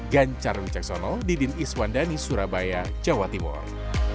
ganjar wicaksono didin iswandani surabaya jawa timur